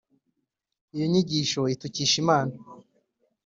Iyo nyigisho itukisha Imana